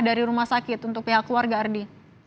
dari rumah sakit untuk pihak keluarga ardi